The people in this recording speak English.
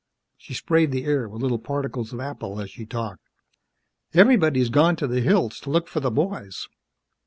She sprayed the air with little particles of apple as she talked. "Everybody's gone to the hills to look for the boys."